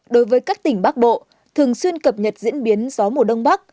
đối với các tỉnh bắc bộ thường xuyên cập nhật diễn biến gió mùa đông bắc